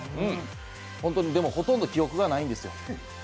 ほんとにほとんど記憶がないんですよ。